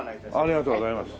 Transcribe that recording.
ありがとうございます。